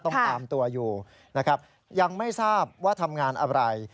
ต้องอามตัวอยู่ยังไม่ทราบว่าทำงานอะไร